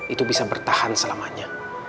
itu bisa bertahan selamanya